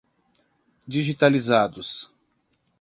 digitalizados